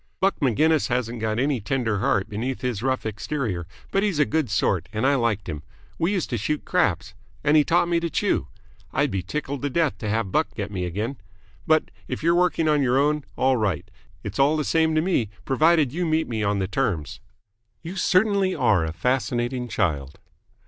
Buck Maginnis hasn't got any tender heart beneath his rough exterior, but he's a good sort and I liked him. We used to shoot craps. And he taught me to chew. I'd be tickled to death to have Buck get me again. But, if you're working on your own, all right. It's all the same to me, provided you meet me on the terms." "You certainly are a fascinating child."